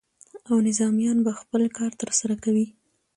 او نظامیان به خپل کار ترسره کوي.